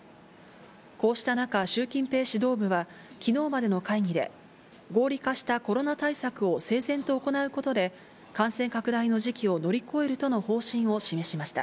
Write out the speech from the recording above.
こうした中、習近平指導部はきのうまでの会議で、合理化したコロナ対策を整然と行うことで、感染拡大の時期を乗り越えるとの方針を示しました。